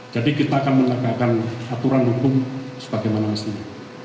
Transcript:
jadi kita akan menegakkan aturan hukum sebagaimana mestinya